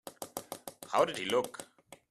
How did he look?